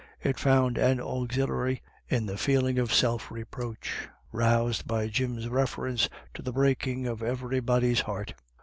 It found an auxiliary in the feeling of self reproach roused by Jim's reference to the breaking of everybody's heart.